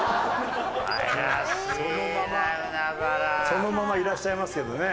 そのままいらっしゃいますけどね。